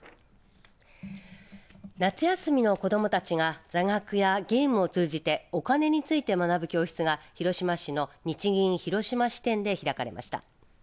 夏休みの子どもたちが座学やゲームを通じてお金について学ぶ教室が広島市の日銀広島支店で開かれました。